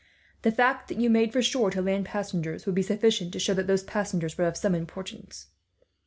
The fact that you made for shore, to land passengers, would be sufficient to show that those passengers were of some importance.